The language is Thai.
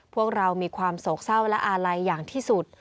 พวกเรามีความโศกเศร้าและอาลัยอย่างที่สุด